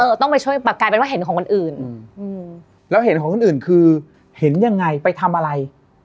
ต้องไปช่วยแบบกลายเป็นว่าเห็นของคนอื่นอืมแล้วเห็นของคนอื่นคือเห็นยังไงไปทำอะไร